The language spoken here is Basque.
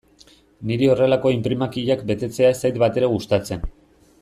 Niri horrelako inprimakiak betetzea ez zait batere gustatzen.